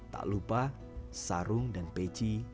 tak lupa sarung dan peci